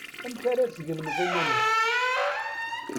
Amek ara d-tgelmeḍ iman-ik?